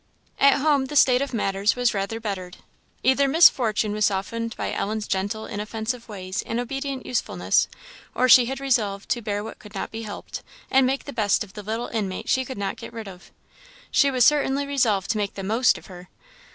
At home the state of matters was rather bettered. Either Miss Fortune was softened by Ellen's gentle, inoffensive ways and obedient usefulness, or she had resolved to bear what could not be helped, and make the best of the little inmate she could not get rid of. She was certainly resolved to make the most of her.